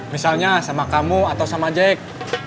misalnya sama kamu atau sama jack